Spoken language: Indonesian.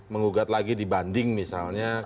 mengugat lagi di banding misalnya